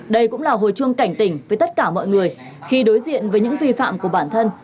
đây cũng là hồi chuông cảnh tỉnh với tất cả mọi người khi đối diện với những vi phạm của bản thân